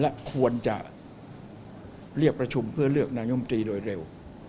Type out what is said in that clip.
และควรจะเรียกประชุมเพื่อเลือกนายมตรีโดยเร็ว